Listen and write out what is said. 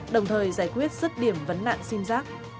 đồng thời giải quyết sức điểm vấn nạn xin giác